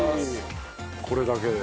これだけで。